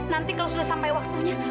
nanti kalau sudah sampai waktunya